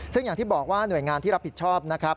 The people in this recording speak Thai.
ซึ่งอย่างที่บอกว่าหน่วยงานที่รับผิดชอบนะครับ